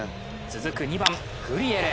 続く２番・グリエル。